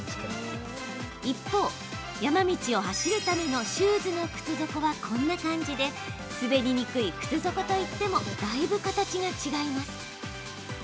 一方、山道を走るためのシューズの靴底はこんな感じで滑りにくい靴底といってもだいぶ形が違います。